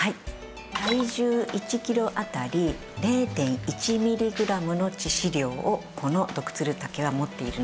体重１キロ当たり０．１ミリグラムの致死量をこのドクツルタケは持っているので。